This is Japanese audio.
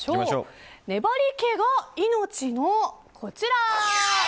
粘り気が命のこちら！